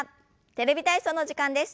「テレビ体操」の時間です。